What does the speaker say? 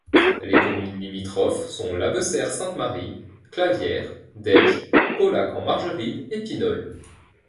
Les communes limitrophes sont La Besseyre-Saint-Mary, Clavières, Desges, Paulhac-en-Margeride et Pinols.